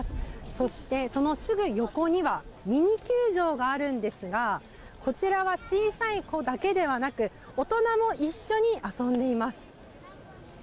そして、そのすぐ横にはミニ球場があるんですがこちらは小さい子だけではなくて大人も一緒に遊んでいます。